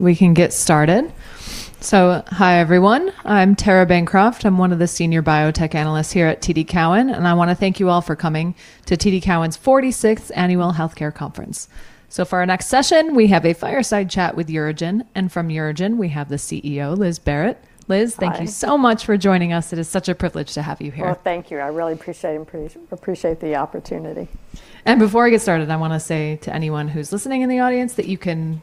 We can get started. Hi, everyone. I'm Tara Bancroft. I'm one of the senior biotech analysts here at TD Cowen, I wanna thank you all for coming to TD Cowen's 46th Annual Healthcare Conference. For our next session, we have a fireside chat with UroGen. From UroGen, we have the CEO, Liz Barrett. Hi. Thank you so much for joining us. It is such a privilege to have you here. Well, thank you. I really appreciate the opportunity. Before I get started, I wanna say to anyone who's listening in the audience that you can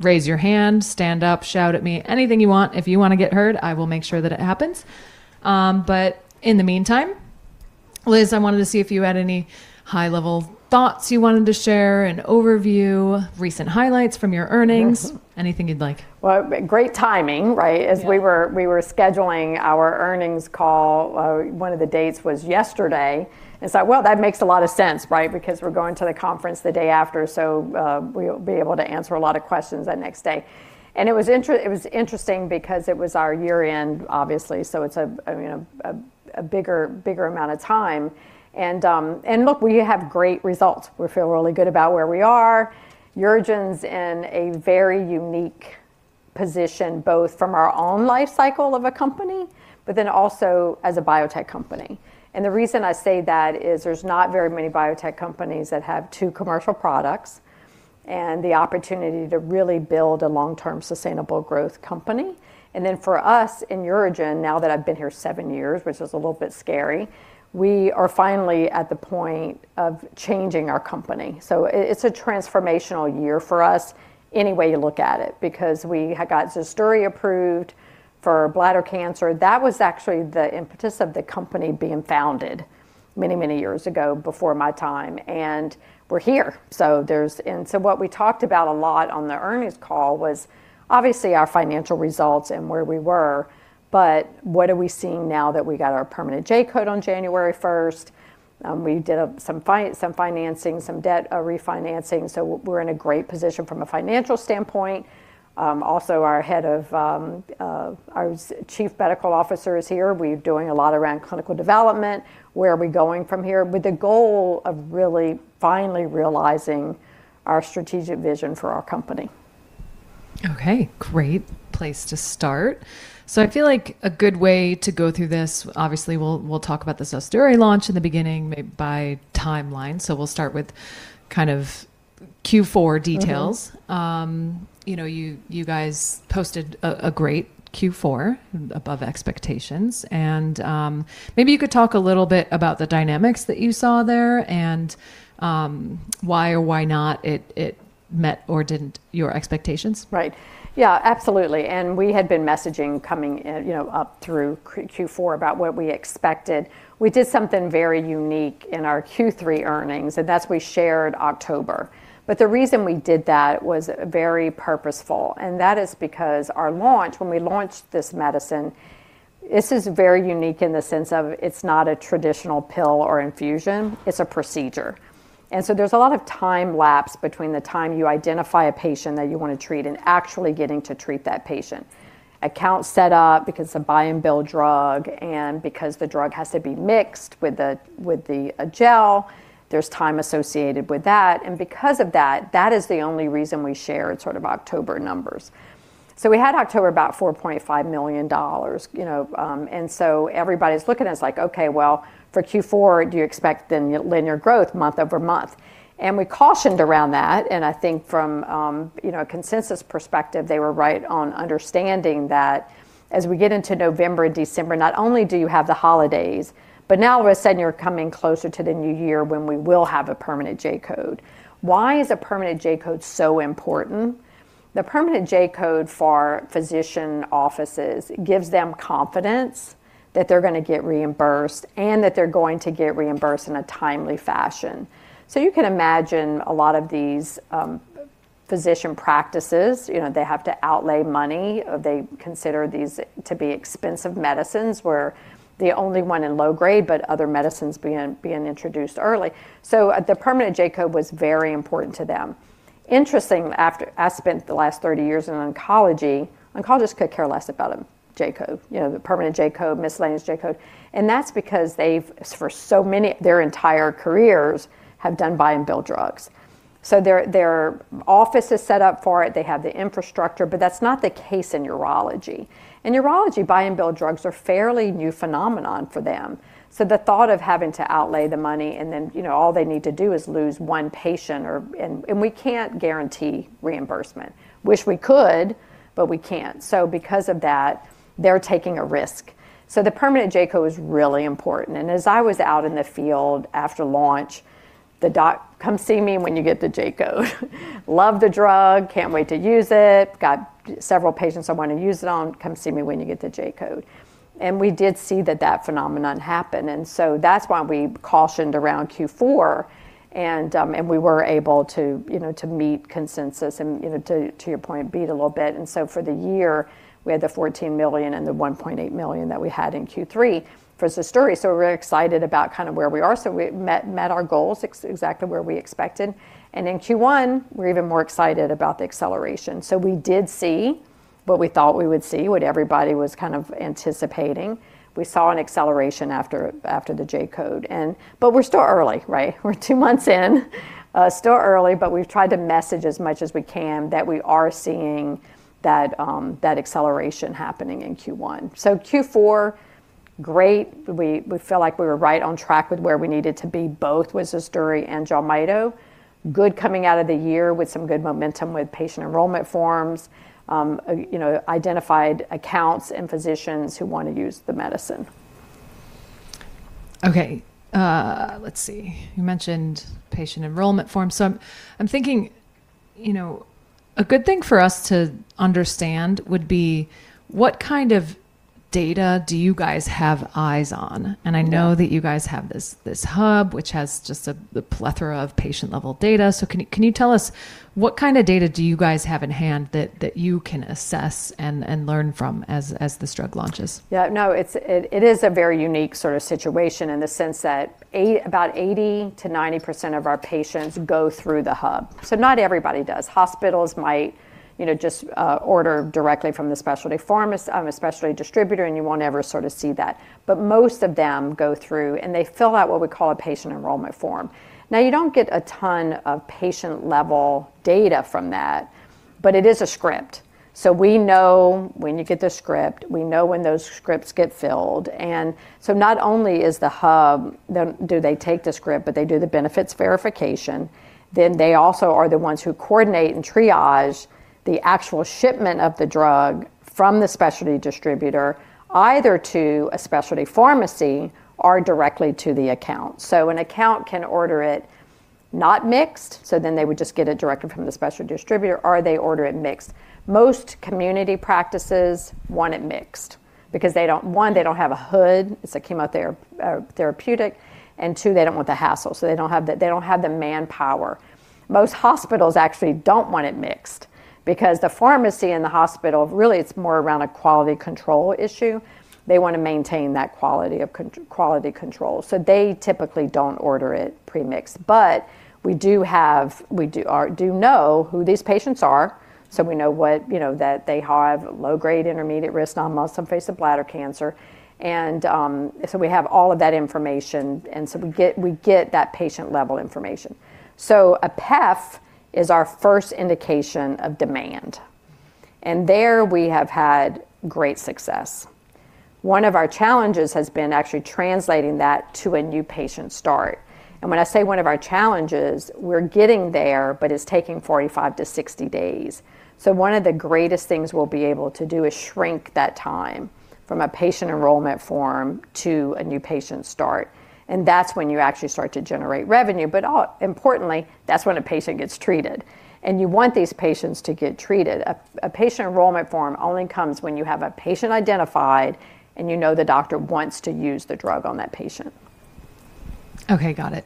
raise your hand, stand up, shout at me, anything you want. If you wanna get heard, I will make sure that it happens. In the meantime, Liz, I wanted to see if you had any high-level thoughts you wanted to share, an overview, recent highlights from your earnings. Yeah, sure. Anything you'd like. Well, great timing, right? Yeah. As we were scheduling our earnings call, one of the dates was yesterday. It's like, well, that makes a lot of sense, right? Because we're going to the conference the day after, so we'll be able to answer a lot of questions that next day. It was interesting because it was our year-end, obviously, so it's a, I mean, a bigger amount of time. Look, we have great results. We feel really good about where we are. UroGen's in a very unique position, both from our own life cycle of a company, but then also as a biotech company. The reason I say that is there's not very many biotech companies that have two commercial products and the opportunity to really build a long-term sustainable growth company. For us in UroGen, now that I've been here seven years, which is a little bit scary, we are finally at the point of changing our company. It's a transformational year for us any way you look at it because we had got JELMYTO approved for bladder cancer. That was actually the impetus of the company being founded many, many years ago before my time, and we're here. What we talked about a lot on the earnings call was obviously our financial results and where we were, but what are we seeing now that we got our permanent J-code on January 1st? We did some financing, some debt refinancing, we're in a great position from a financial standpoint. Also our head of chief medical officer is here. We're doing a lot around clinical development. Where are we going from here? With the goal of really finally realizing our strategic vision for our company. Great place to start. I feel like a good way to go through this, obviously, we'll talk about the JELMYTO launch in the beginning may by timeline. We'll start with kind of Q4 details. Mm-hmm. You know, you guys posted a great Q4 above expectations, and maybe you could talk a little bit about the dynamics that you saw there and why or why not it met or didn't your expectations. Right. Yeah, absolutely. We had been messaging coming, you know, up through Q4 about what we expected. We did something very unique in our Q3 earnings, and that's we shared October. The reason we did that was very purposeful, and that is because our launch, when we launched this medicine, this is very unique in the sense of it's not a traditional pill or infusion, it's a procedure. So there's a lot of time lapse between the time you identify a patient that you wanna treat and actually getting to treat that patient. Account set up because it's a buy and bill drug and because the drug has to be mixed with the gel, there's time associated with that. Because of that is the only reason we shared sort of October numbers. We had October about $4.5 million, you know, everybody's looking at us like, "Okay, well, for Q4, do you expect then linear growth month-over-month?" We cautioned around that, I think from, you know, consensus perspective, they were right on understanding that as we get into November and December, not only do you have the holidays, but now all of a sudden you're coming closer to the new year when we will have a permanent J-code. Why is a permanent J-code so important? The permanent J-code for physician offices gives them confidence that they're gonna get reimbursed and that they're going to get reimbursed in a timely fashion. You can imagine a lot of these, physician practices, you know, they have to outlay money. They consider these to be expensive medicines. We're the only one in low grade. Other medicines being introduced early. The permanent J-code was very important to them. Interesting, I spent the last 30 years in oncology, oncologists could care less about a J-code, you know, the permanent J-code, miscellaneous J-code. That's because they've for so many their entire careers have done buy and bill drugs. Their office is set up for it. They have the infrastructure. That's not the case in urology. In urology, buy and bill drugs are fairly new phenomenon for them. The thought of having to outlay the money and then, you know, all they need to do is lose 1 patient or, we can't guarantee reimbursement. Wish we could. We can't. Because of that, they're taking a risk. The permanent J-code was really important. As I was out in the field after launch, the doc, "Come see me when you get the J-code. Love the drug, can't wait to use it. Got several patients I wanna use it on. Come see me when you get the J-code." We did see that phenomenon happen. That's why we cautioned around Q4, we were able to, you know, to meet consensus and, you know, to your point, beat a little bit. For the year, we had the $14 million and the $1.8 million that we had in Q3 for JELMYTO. We're excited about kind of where we are. We met our goals exactly where we expected. In Q1, we're even more excited about the acceleration. What we thought we would see, what everybody was kind of anticipating, we saw an acceleration after the J-code. We're still early, right? We're two months in, still early, but we've tried to message as much as we can that we are seeing that acceleration happening in Q1. Q4, great. We feel like we were right on track with where we needed to be, both with ZUSDURI and JELMYTO. Good coming out of the year with some good momentum with Patient Enrollment Forms, you know, identified accounts and physicians who wanna use the medicine. Okay. Let's see. You mentioned Patient Enrollment Forms. I'm thinking, you know, a good thing for us to understand would be what kind of data do you guys have eyes on? Yeah. I know that you guys have this hub, which has just the plethora of patient-level data. Can you tell us what kind of data do you guys have in-hand that you can assess and learn from as this drug launches? Yeah, no, it's a very unique sort of situation in the sense that about 80%-90% of our patients go through the hub. Not everybody does. Hospitals might, you know, just order directly from the specialty pharmas, a specialty distributor, and you won't ever sort of see that. Most of them go through, and they fill out what we call a Patient Enrollment Form. You don't get a ton of patient-level data from that, but it is a script. We know when you get the script, we know when those scripts get filled. Not only is the hub, do they take the script, but they do the benefits verification, then they also are the ones who coordinate and triage the actual shipment of the drug from the specialty distributor, either to a specialty pharmacy or directly to the account. An account can order it not mixed, they would just get it directly from the specialty distributor, or they order it mixed. Most community practices want it mixed because they don't. One, they don't have a hood, 'cause it came out therapeutic, and two, they don't want the hassle. They don't have the manpower. Most hospitals actually don't want it mixed because the pharmacy and the hospital, really, it's more around a quality control issue. They wanna maintain that quality of quality control. They typically don't order it pre-mixed. We do know who these patients are, so we know what, you know, that they have low-grade, intermediate-risk non-muscle invasive bladder cancer. So we have all of that information, so we get that patient-level information. A PEF is our first indication of demand, and there we have had great success. When I say one of our challenges, we're getting there, but it's taking 45-60 days. One of the greatest things we'll be able to do is shrink that time from a Patient Enrollment Form to a new patient start, and that's when you actually start to generate revenue. Importantly, that's when a patient gets treated, and you want these patients to get treated. A Patient Enrollment Form only comes when you have a patient identified and you know the doctor wants to use the drug on that patient. Okay, got it.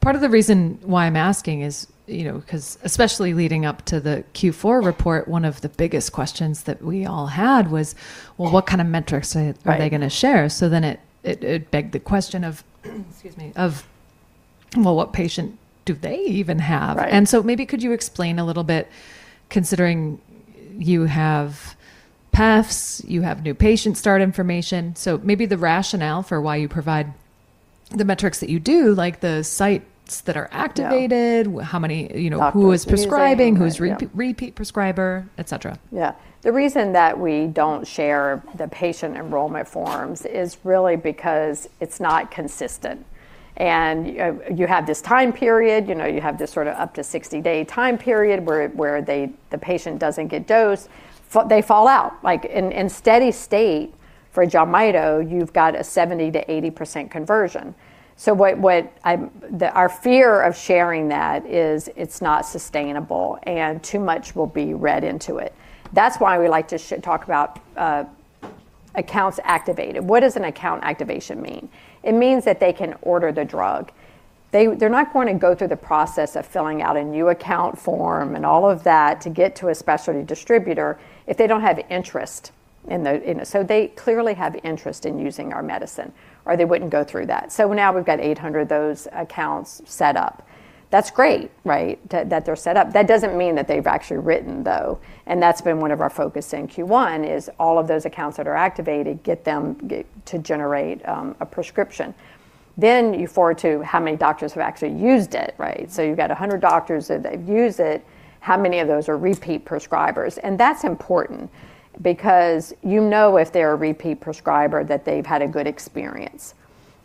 Part of the reason why I'm asking is, you know, 'cause especially leading up to the Q4 report, one of the biggest questions that we all had was, well, what kind of metrics are-? Right are they gonna share? It begged the question of excuse me, of well, what patient do they even have? Right. maybe could you explain a little bit considering you have PEFs, you have new patient start information, so maybe the rationale for why you provide the metrics that you do, like the sites that are activated. Yeah How many, you know, who is prescribing Doctors using it. Yeah. Who's repeat prescriber, et cetera. Yeah. The reason that we don't share the Patient Enrollment Forms is really because it's not consistent. You have this time period, you know, you have this sort of up to 60-day time period where the patient doesn't get dosed. They fall out. Like in steady state for JELMYTO, you've got a 70%-80% conversion. What I'm, Our fear of sharing that is it's not sustainable and too much will be read into it. That's why we like to talk about accounts activated. What does an account activation mean? It means that they can order the drug. They're not going to go through the process of filling out a new account form and all of that to get to a specialty distributor if they don't have interest in the They clearly have interest in using our medicine, or they wouldn't go through that. Now we've got 800 of those accounts set up. That's great, right? That they're set up. That doesn't mean that they've actually written though, and that's been 1 of our focus in Q1 is all of those accounts that are activated, get them to generate a prescription. You forward to how many doctors have actually used it, right? You've got 100 doctors that use it. How many of those are repeat prescribers? That's important because you know if they're a repeat prescriber that they've had a good experience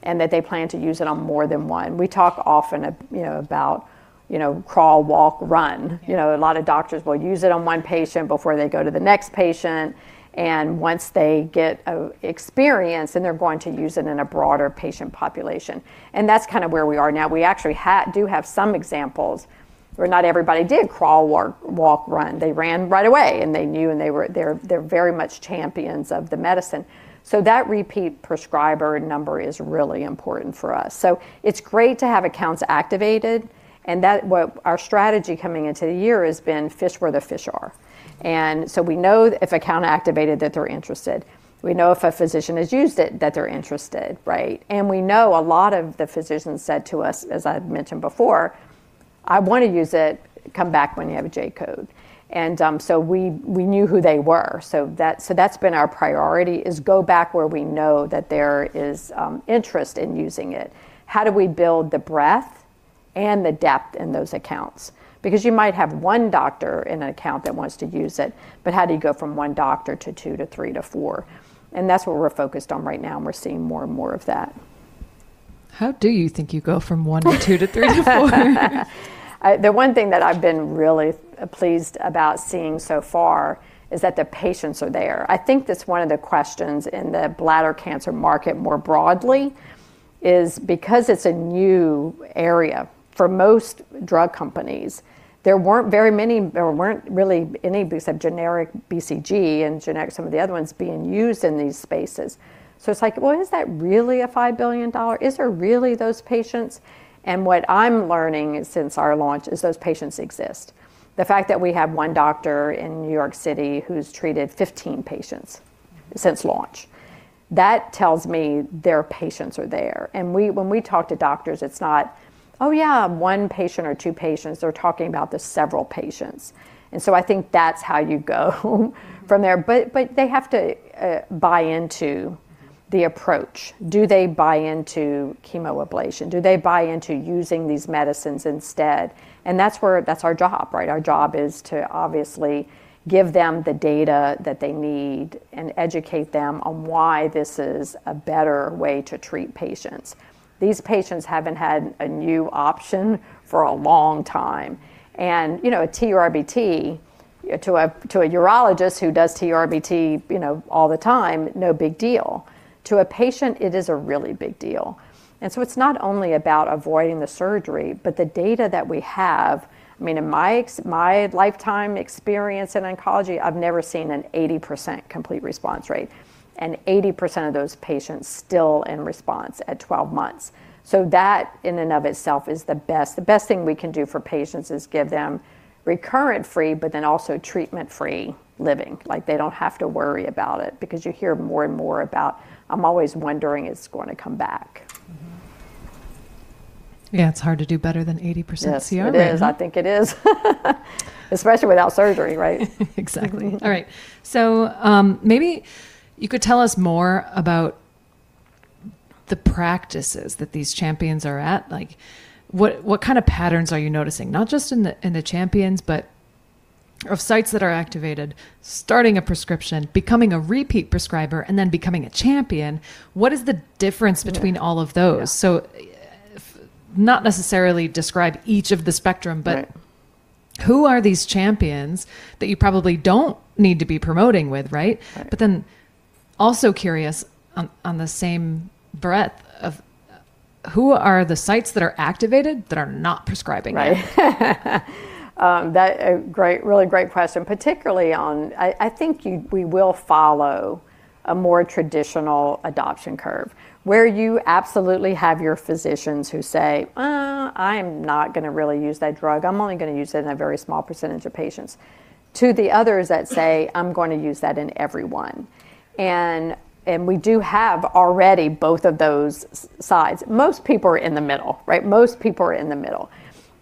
and that they plan to use it on more than one. We talk often you know, about, you know, crawl, walk, run. You know, a lot of doctors will use it on one patient before they go to the next patient, and once they get experience, then they're going to use it in a broader patient population. That's kind of where we are now. We actually do have some examples where not everybody did crawl, walk, run. They ran right away, and they knew, and they were, they're very much champions of the medicine. That repeat prescriber number is really important for us. It's great to have accounts activated and that what our strategy coming into the year has been fish where the fish are. We know if account activated that they're interested. We know if a physician has used it, that they're interested, right? We know a lot of the physicians said to us, as I've mentioned before. I wanna use it. Come back when you have a J-code. We knew who they were. That's been our priority, is go back where we know that there is interest in using it. How do we build the breadth and the depth in those accounts? Because you might have one doctor in an account that wants to use it, but how do you go from one doctor to two to three to four? That's what we're focused on right now, and we're seeing more and more of that. How do you think you go from one to two to three to four? The one thing that I've been really pleased about seeing so far is that the patients are there. I think that's one of the questions in the bladder cancer market more broadly is because it's a new area for most drug companies, there weren't very many or weren't really any, except generic BCG and generic some of the other ones being used in these spaces. Is that really a 5 billion dollar? Is there really those patients? What I'm learning since our launch is those patients exist. The fact that we have one doctor in New York City who's treated 15 patients since launch, that tells me their patients are there. When we talk to doctors, it's not, "Oh, yeah, one patient or two patients." They're talking about the several patients. I think that's how you go from there. They have to buy into the approach. Do they buy into chemoablation? Do they buy into using these medicines instead? That's our job, right? Our job is to obviously give them the data that they need and educate them on why this is a better way to treat patients. These patients haven't had a new option for a long time, you know, a TURBT to a urologist who does TURBT, you know, all the time, no big deal. To a patient, it is a really big deal. It's not only about avoiding the surgery, but the data that we have, I mean, in my lifetime experience in oncology, I've never seen an 80% complete response rate and 80% of those patients still in response at 12 months. That in and of itself is the best. The best thing we can do for patients is give them recurrent free, but then also treatment-free living. Like, they don't have to worry about it because you hear more and more about, "I'm always wondering if it's going to come back. Mm-hmm. Yeah, it's hard to do better than 80% CR, right? Yes, it is. I think it is. Especially without surgery, right? Exactly. Mm-hmm. All right. Maybe you could tell us more about the practices that these champions are at. Like, what kind of patterns are you noticing? Not just in the champions, but of sites that are activated, starting a prescription, becoming a repeat prescriber, and then becoming a champion. What is the difference between all of those? Yeah. not necessarily describe each of the spectrum. Right Who are these champions that you probably don't need to be promoting with, right? Right. Also curious on the same breadth of who are the sites that are activated that are not prescribing it? Right. That a great, really great question, particularly I think we will follow a more traditional adoption curve where you absolutely have your physicians who say, "I am not gonna really use that drug. I'm only gonna use it in a very small percentage of patients," to the others that say, "I'm gonna use that in every one." We do have already both of those sides. Most people are in the middle, right? Most people are in the middle.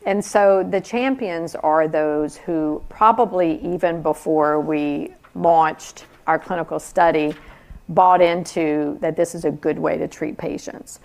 The champions are those who probably, even before we launched our clinical study, bought into that this is a good way to treat patients.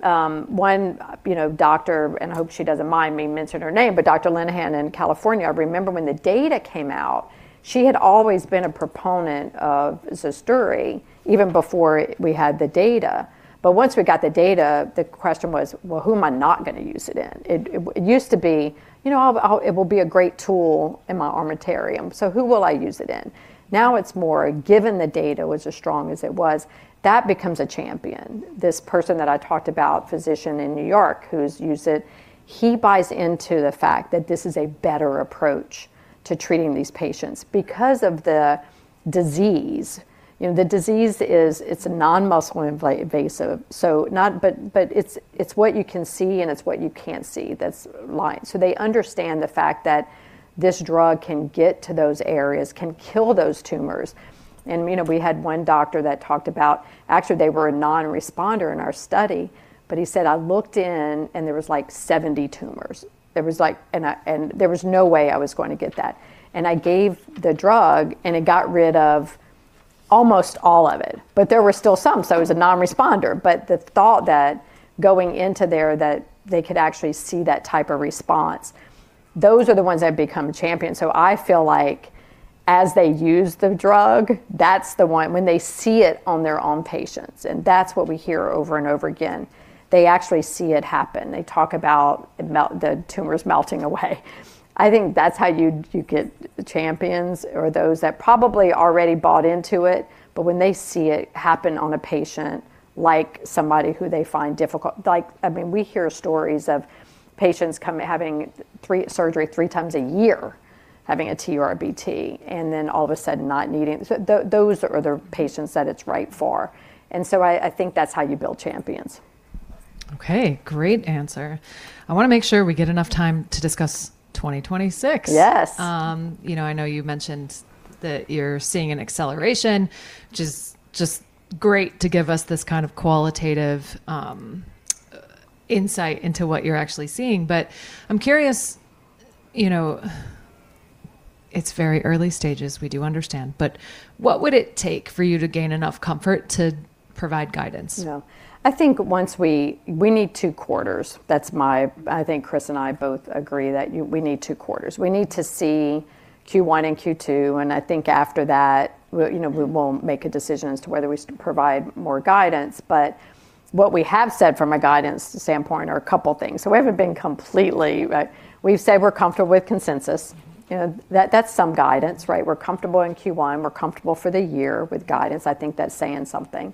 One, you know, doctor, and I hope she doesn't mind me mentioning her name, Jennifer Linehan in California, I remember when the data came out, she had always been a proponent of ZUSDURI even before we had the data. Once we got the data, the question was, "Well, who am I not gonna use it in?" It used to be, you know, "It will be a great tool in my armamentarium, so who will I use it in?" Now, it's more given the data was as strong as it was, that becomes a champion. This person that I talked about, physician in New York, who's used it, he buys into the fact that this is a better approach to treating these patients because of the disease. You know, the disease is, it's a non-muscle invasive. It's what you can see and it's what you can't see that's lying. They understand the fact that this drug can get to those areas, can kill those tumors. You know, we had one doctor that talked about, actually, they were a non-responder in our study, but he said, "I looked in, and there was like 70 tumors. And there was no way I was going to get that. And I gave the drug, and it got rid of almost all of it. But there were still some, so it was a non-responder." The thought that going into there, that they could actually see that type of response, those are the ones that become champions. I feel like as they use the drug, that's the one. When they see it on their own patients, that's what we hear over and over again. They actually see it happen. They talk about the tumors melting away. I think that's how you get champions or those that probably already bought into it. When they see it happen on a patient, like somebody who they find difficult, like, I mean, we hear stories of patients having three times a year, having a TURBT, and then all of a sudden not needing. Those are the patients that it's right for. I think that's how you build champions. Okay. Great answer. I wanna make sure we get enough time to discuss 2026. Yes. You know, I know you mentioned that you're seeing an acceleration, which is great to give us this kind of qualitative insight into what you're actually seeing. I'm curious, you know, it's very early stages, we do understand. What would it take for you to gain enough comfort to provide guidance? No. I think once we need two quarters. That's my, I think Chris and I both agree that we need two quarters. We need to see Q1 and Q2. I think after that, you know, we will make a decision as to whether we provide more guidance. What we have said from a guidance standpoint are a couple things. We haven't been completely. We've said we're comfortable with consensus, you know. That's some guidance, right? We're comfortable in Q1, we're comfortable for the year with guidance. I think that's saying something.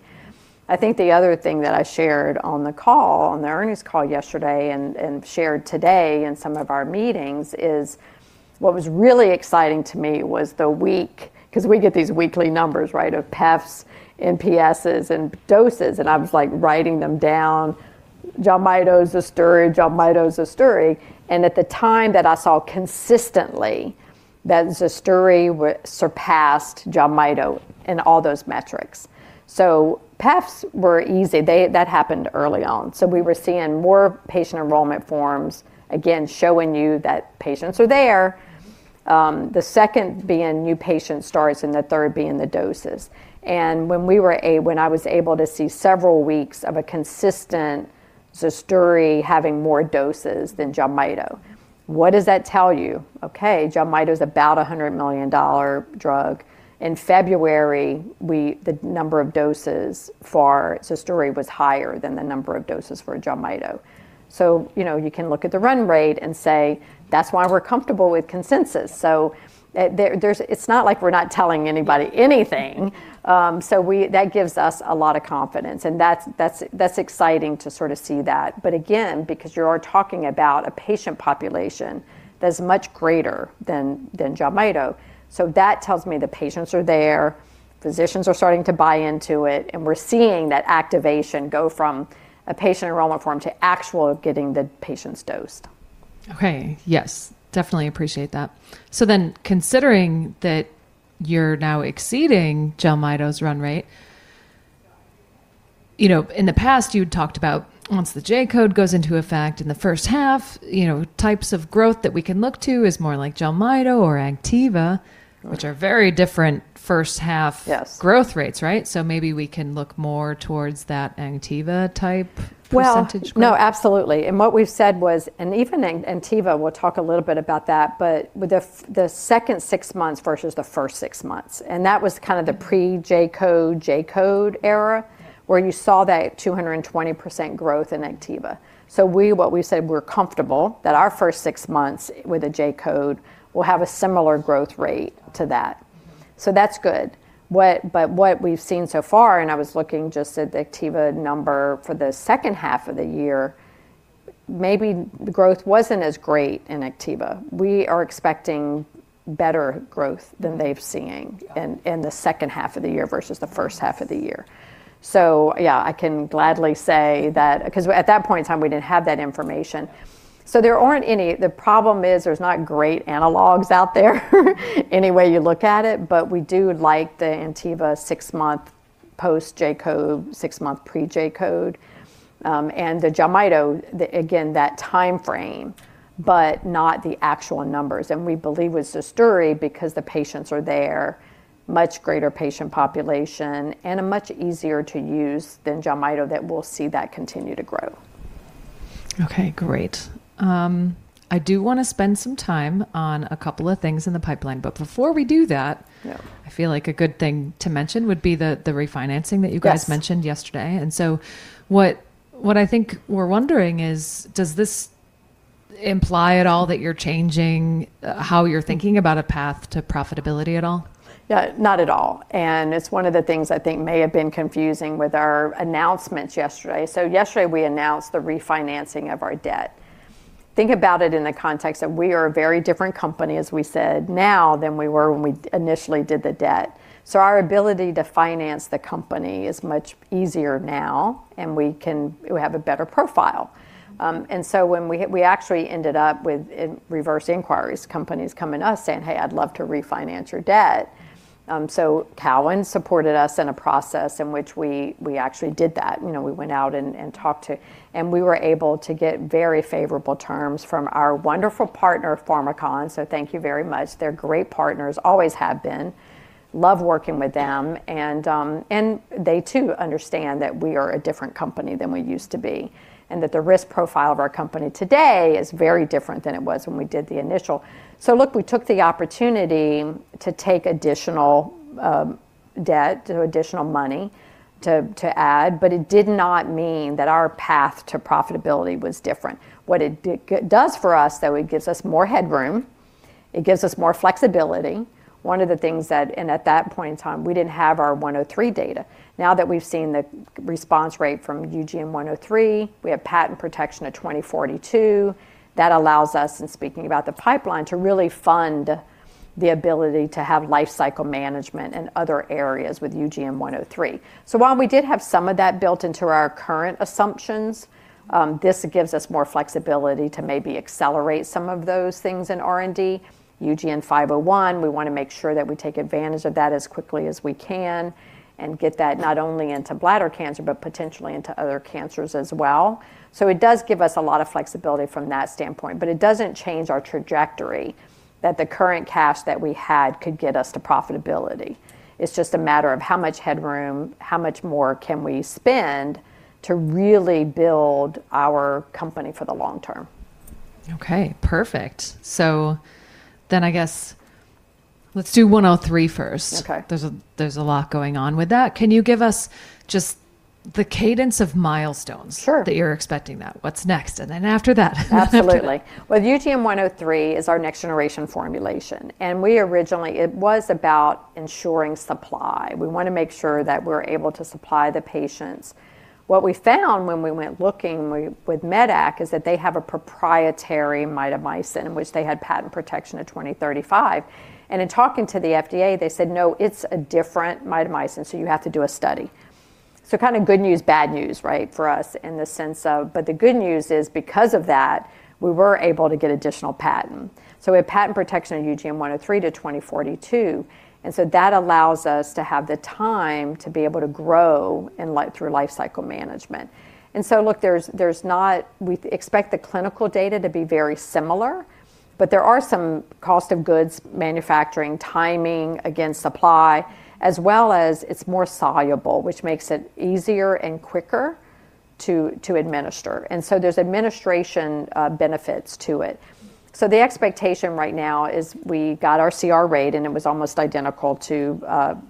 I think the other thing that I shared on the call, on the earnings call yesterday and shared today in some of our meetings, is what was really exciting to me was the week. 'Cause we get these weekly numbers, right, of PEFs, NPSs and doses, and I was, like, writing them down. JELMYTO, ZUSDURI, JELMYTO, ZUSDURI. At the time that I saw consistently that ZUSDURI surpassed JELMYTO in all those metrics. PEFs were easy. That happened early on. We were seeing more Patient Enrollment Forms, again, showing you that patients are there. The second being new patient starts and the third being the doses. When I was able to see several weeks of a consistent ZUSDURI having more doses than JELMYTO. What does that tell you? Okay, JELMYTO's about a $100 million drug. In February, the number of doses for ZUSDURI was higher than the number of doses for JELMYTO. You know, you can look at the run rate and say, "That's why we're comfortable with consensus." There, there's. It's not like we're not telling anybody anything. That gives us a lot of confidence, and that's exciting to sort of see that. Again, because you're talking about a patient population that's much greater than JELMYTO. That tells me the patients are there, physicians are starting to buy into it, and we're seeing that activation go from a Patient Enrollment Form to actual getting the patients dosed. Okay. Yes, definitely appreciate that. Considering that you're now exceeding JELMYTO's run rate, you know, in the past, you had talked about once the J-code goes into effect in the first half, you know, types of growth that we can look to is more like JELMYTO or Activa. Mm Which are very different first half Yes Growth rates, right? Maybe we can look more towards that Activa type percentage growth? Well, no, absolutely. What we've said was, and even in Activa, we'll talk a little bit about that, but with the second six months versus the first six months, and that was kind of the Mm-hmm Pre J-code, J-code era, where you saw that 220% growth in Activa. What we said we're comfortable, that our first six months with a J-code will have a similar growth rate to that. That's good. What we've seen so far, and I was looking just at the Activa number for the second half of the year, maybe the growth wasn't as great in Activa. We are expecting better growth than they've seen. Yeah In the second half of the year versus the first half of the year. Yeah, I can gladly say that, 'cause at that point in time, we didn't have that information. There aren't any. The problem is there's not great analogs out there any way you look at it. But we do like the Activa six-month post J-code, six-month pre J-code, and JELMYTO, again, that timeframe, but not the actual numbers. We believe with ZUSDURI, because the patients are there, much greater patient population, and a much easier to use than JELMYTO, that we'll see that continue to grow. Okay, great. I do wanna spend some time on a couple of things in the pipeline. Before we do that. Yeah I feel like a good thing to mention would be the refinancing that you guys. Yes Mentioned yesterday. What I think we're wondering is, does this imply at all that you're changing how you're thinking about a path to profitability at all? Yeah. Not at all. It's one of the things I think may have been confusing with our announcements yesterday. Yesterday we announced the refinancing of our debt. Think about it in the context that we are a very different company, as we said now, than we were when we initially did the debt. Our ability to finance the company is much easier now, and we have a better profile. We actually ended up with reverse inquiries, companies coming to us saying, "Hey, I'd love to refinance your debt." Cowen supported us in a process in which we actually did that. You know, we went out and talked to. We were able to get very favorable terms from our wonderful partner, Pharmakon, so thank you very much. They're great partners, always have been. Love working with them, and they too understand that we are a different company than we used to be, and that the risk profile of our company today is very different than it was when we did the initial. Look, we took the opportunity to take additional debt, to additional money to add. It did not mean that our path to profitability was different. What it does for us though, it gives us more headroom, it gives us more flexibility. One of the things that, and at that point in time we didn't have our 103 data. Now that we've seen the response rate from UGN-103, we have patent protection to 2042. That allows us, in speaking about the pipeline, to really fund the ability to have life cycle management and other areas with UGN-103. While we did have some of that built into our current assumptions, this gives us more flexibility to maybe accelerate some of those things in R&D. UGN-501, we wanna make sure that we take advantage of that as quickly as we can and get that not only into bladder cancer, but potentially into other cancers as well. It does give us a lot of flexibility from that standpoint. It doesn't change our trajectory that the current cash that we had could get us to profitability. It's just a matter of how much headroom, how much more can we spend to really build our company for the long term. Okay. Perfect. Let's do 103 first. Okay. There's a lot going on with that. Can you give us just the cadence of milestones? Sure That you're expecting now? What's next, and then after that and after that? Absolutely. Well, UGN-103 is our next generation formulation. It was about ensuring supply. We wanna make sure that we're able to supply the patients. What we found when we went looking with Medac is that they have a proprietary mitomycin, which they had patent protection to 2035. In talking to the FDA, they said, "No, it's a different mitomycin, so you have to do a study." Kinda good news, bad news, right, for us in the sense of the good news is because of that, we were able to get additional patent. We have patent protection on UGN-103 to 2042, so that allows us to have the time to be able to grow through life cycle management. Look, there's not We expect the clinical data to be very similar, but there are some cost of goods, manufacturing, timing, again, supply, as well as it's more soluble, which makes it easier and quicker to administer, and so there's administration benefits to it. The expectation right now is we got our CR rate, and it was almost identical to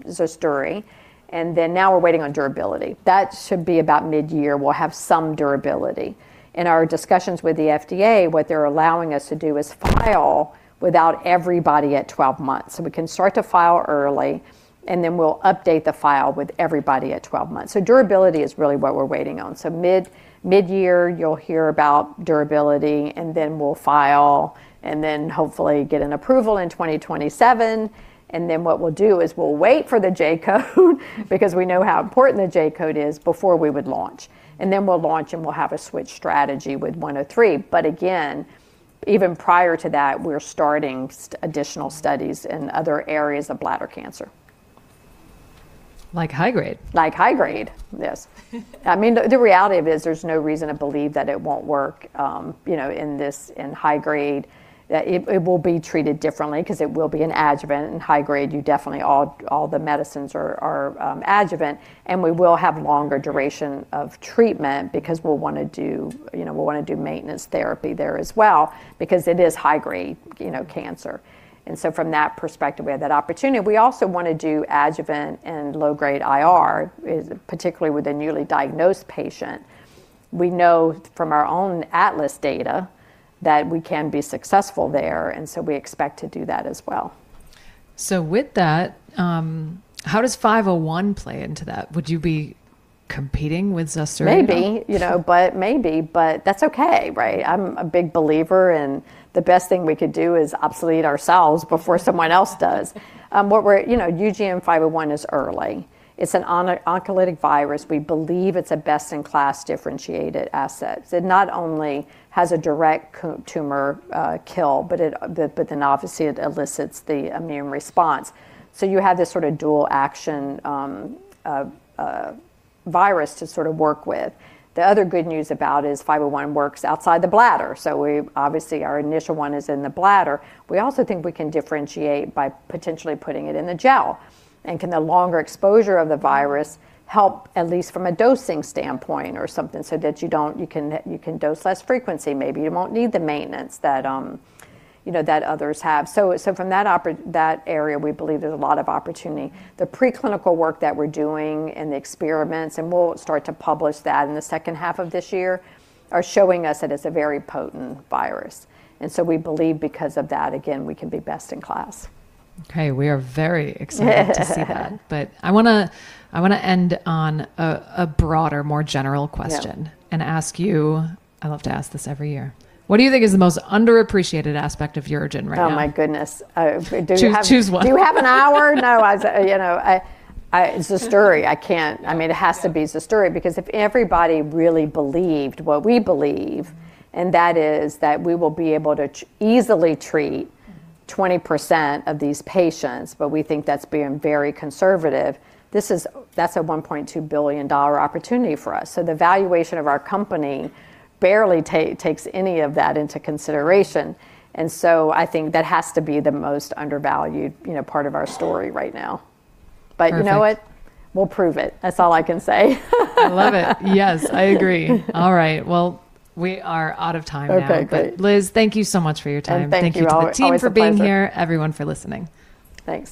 ZUSDURI. Now we're waiting on durability. That should be about midyear we'll have some durability. In our discussions with the FDA, what they're allowing us to do is file without everybody at 12 months. We can start to file early, and then we'll update the file with everybody at 12 months. Durability is really what we're waiting on. Midyear you'll hear about durability, and then we'll file and then hopefully get an approval in 2027. What we'll do is we'll wait for the J-code because we know how important the J-code is before we would launch. We'll launch, and we'll have a switch strategy with 103. Again, even prior to that, we're starting additional studies in other areas of bladder cancer. Like high-grade. Like high-grade, yes. I mean, the reality of it is there's no reason to believe that it won't work, you know, in this, in high-grade. It will be treated differently 'cause it will be an adjuvant. In high-grade, you definitely all the medicines are adjuvant. We will have longer duration of treatment because we'll wanna do, you know, we'll wanna do maintenance therapy there as well because it is high-grade, you know, cancer. From that perspective, we have that opportunity. We also wanna do adjuvant in low-grade intermediate-risk, particularly with a newly diagnosed patient. We know from our own ATLAS data that we can be successful there. We expect to do that as well. With that, how does 501 play into that? Would you be competing with ZUSDURI at all? Maybe. You know, but maybe, but that's okay, right? I'm a big believer in the best thing we could do is obsolete ourselves before someone else does. You know, UGN-501 is early. It's an oncolytic virus. We believe it's a best-in-class differentiated asset. It not only has a direct tumor kill, obviously it elicits the immune response. You have this sort of dual action virus to sort of work with. The other good news about is 501 works outside the bladder. Obviously, our initial one is in the bladder. We also think we can differentiate by potentially putting it in the gel. Can the longer exposure of the virus help at least from a dosing standpoint or something so that you don't. You can dose less frequency maybe. You won't need the maintenance that, you know, that others have. From that area, we believe there's a lot of opportunity. The preclinical work that we're doing and the experiments, and we'll start to publish that in the second half of this year, are showing us that it's a very potent virus. We believe because of that, again, we can be best in class. Okay. We are very excited to see that. I wanna end on a broader, more general question. Yeah And ask you, I love to ask this every year, what do you think is the most underappreciated aspect of UroGen right now? Oh my goodness. choose one. Do we have an hour? No, as, you know, I ZUSDURI. I can't. I mean, it has to be ZUSDURI because if everybody really believed what we believe, and that is that we will be able to easily treat 20% of these patients, but we think that's being very conservative, That's a $1.2 billion opportunity for us. The valuation of our company barely takes any of that into consideration. I think that has to be the most undervalued, you know, part of our story right now. Perfect. You know what? We'll prove it. That's all I can say. I love it. Yes, I agree. All right. We are out of time now. Okay, great. Liz, thank you so much for your time. Oh, thank you, Oliver. It's always a pleasure. Thank you to the team for being here, everyone for listening. Thanks.